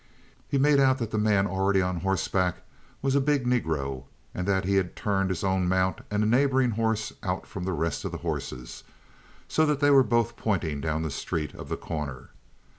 He made out that the man already on horseback was a big Negro and that he had turned his own mount and a neighboring horse out from the rest of the horses, so that they were both pointing down the street of The Corner.